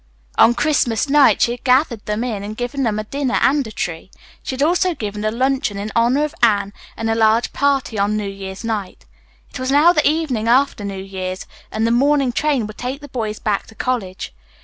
On Christmas night she had gathered them in and given them a dinner and a tree. She had also given a luncheon in honor of Anne and a large party on New Year's night. It was now the evening after New Year's and the morning train would take the boys back to college.